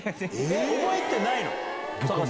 覚えてないの？